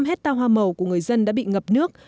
năm hectare hoa màu của người dân đã bị ngập nước